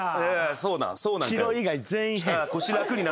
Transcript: そうなん？